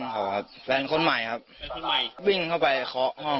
เกือบจะดึงแขนผู้หญิง